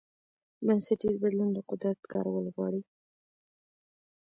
بنسټیز بدلون د قدرت کارول غواړي.